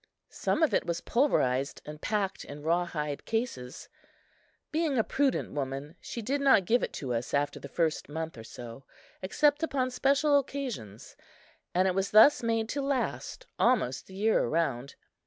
Some of it was pulverized and packed in rawhide cases. Being a prudent woman, she did not give it to us after the first month or so, except upon special occasions, and it was thus made to last almost the year around.